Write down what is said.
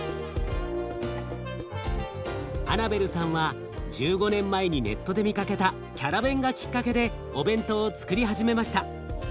アナベルさんは１５年前にネットで見かけたキャラベンがきっかけでお弁当をつくり始めました。